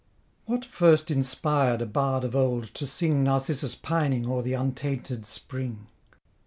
What first inspired a bard of old to sing Narcissus pining o'er the untainted spring?